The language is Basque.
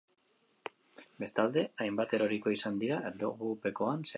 Bestalde, hainbat eroriko izan dira erlojupekoan zehar.